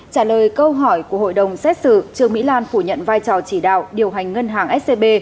trả lời câu hỏi của hội đồng xét xử trương mỹ lan phủ nhận vai trò chỉ đạo điều hành ngân hàng scb